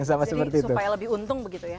supaya lebih untung begitu ya